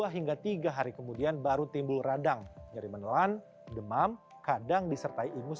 dua hingga tiga hari kemudian baru timbul radang nyari menelan demam kadang disertai ingus